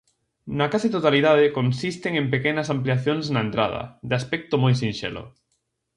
Na case totalidade consisten en pequenas ampliacións na entrada, de aspecto moi sinxelo.